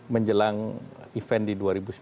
menjelang event di dua ribu sembilan belas